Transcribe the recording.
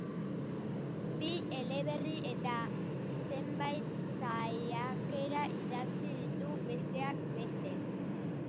Bi eleberri eta zenbait saiakera idatzi ditu, besteak beste.